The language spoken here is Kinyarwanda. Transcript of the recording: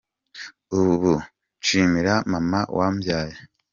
ubu nshimira mama wambyaye.